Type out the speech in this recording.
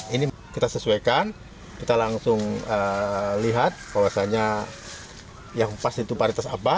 ini kita sesuaikan kita langsung lihat bahwasannya yang pas itu paritas apa